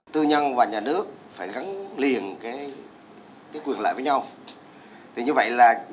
tư nhân và nhà nước phải gắn liền quyền lợi với nhau